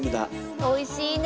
おいしいね。